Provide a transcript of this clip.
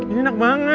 ini enak banget